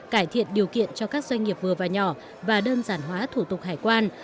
cải thiện điều kiện cho các doanh nghiệp vừa và nhỏ và đơn giản hóa thủ tục hải quan